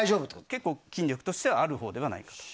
結構、筋力としてはあるほうではないかと。